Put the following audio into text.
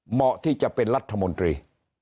เหมาะที่จะเป็นรัฐมนตรี